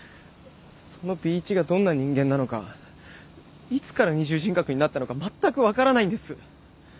そのＢ一がどんな人間なのかいつから二重人格になったのかまったく分からないんです。